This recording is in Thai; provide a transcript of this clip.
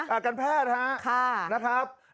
อาการแพทย์นะครับ